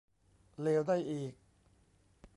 เลวได้อีก